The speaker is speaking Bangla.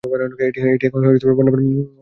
এটি এখন বন্যপ্রাণীর অভয়রন্য।